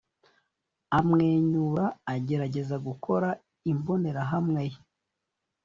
amwenyura agerageza gukora imbonerahamwe ye